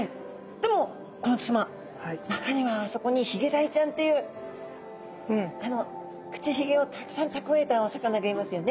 でも甲本さま中にはあそこにヒゲダイちゃんというあの口ひげをたくさんたくわえたお魚がいますよね。